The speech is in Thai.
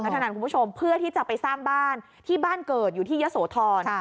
เท่านั้นคุณผู้ชมเพื่อที่จะไปสร้างบ้านที่บ้านเกิดอยู่ที่ยะโสธร